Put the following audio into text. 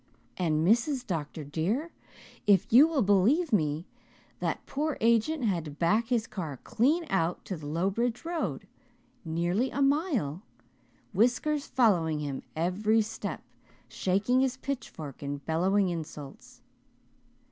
And Mrs. Dr. dear, if you will believe me, that poor agent had to back his car clean out to the Lowbridge road, nearly a mile, Whiskers following him every step, shaking his pitchfork and bellowing insults.